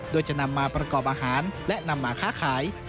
โดยจะนำมาประกอบอาหารและนำมาค้าขาย